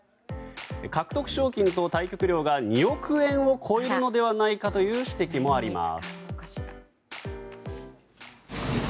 獲得賞金と対局料が２億円を超えるのではないかという指摘もあります。